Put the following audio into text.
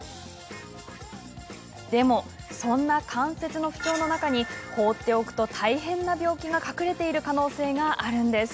でも、そんな関節の不調の中に放っておくと大変な病気が隠れている可能性があるんです。